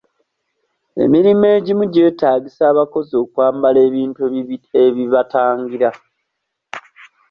Emirimu egimu gyetaagisa abakozi okwamabala ebintu ebibatangira.